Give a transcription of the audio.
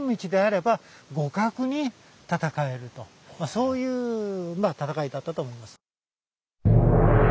そういう戦いだったと思います。